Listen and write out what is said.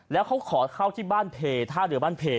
แล้วเขาขอเข้าที่บ้านเพท่าเรือบ้านเพ